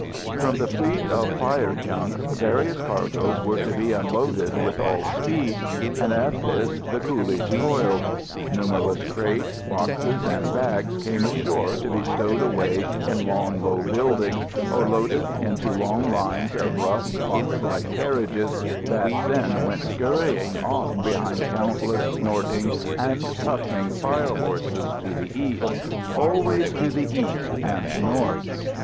From the fleet of fire junks various cargoes were to be unloaded with all speed, and at this the coolies toiled. Numberless crates, boxes, and bags came ashore to be stowed away in long, low buildings, or loaded into long lines of rough, boxlike carriages that then went scurrying off behind countless snorting and puffing fire horses to the east, always to the east and north.